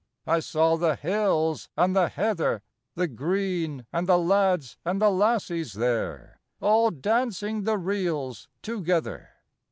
I saw the hills and the heather, The green, and the lads and the lassies there All dancing the reels together.